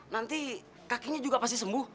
nanti kakinya juga pasti sembuh